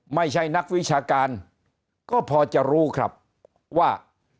ไม่ใช่นักวิชาการก็พอจะรู้ครับว่า